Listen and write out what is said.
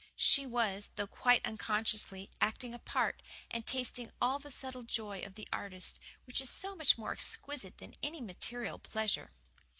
She was, though quite unconsciously, acting a part, and tasting all the subtle joy of the artist, which is so much more exquisite than any material pleasure.